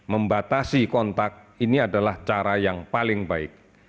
membatasi kontak ini adalah cara yang paling baik